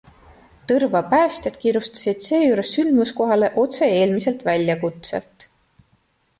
Tõrva päästjad kiirustasid seejuures sündmuskohale otse eelmiselt väljakutselt.